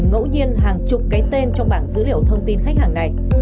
ngẫu nhiên hàng chục cái tên trong bảng dữ liệu thông tin khách hàng này